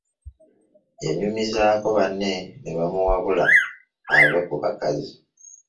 Yanyumizaako banne ne bamuwabula ave ku bakazi.